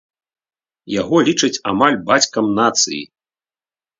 Яго лічаць амаль бацькам нацыі.